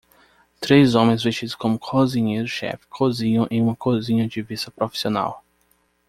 Três homens vestidos como cozinheiros chefe cozinham em uma cozinha de vista profissional.